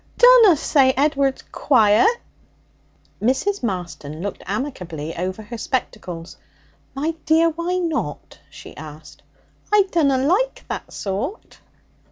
Dunna say Ed'ard's quiet!' Mrs. Marston looked amicably over her spectacles. 'My dear, why not?' she asked. 'I dunna like that sort.'